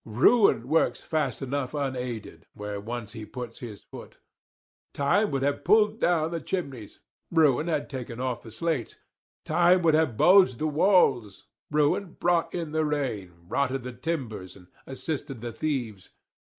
Ruin works fast enough unaided, where once he puts his foot. Time would have pulled down the chimneys Ruin had taken off the slates; Time would have bulged the walls Ruin brought in the rain, rotted the timbers, and assisted the thieves.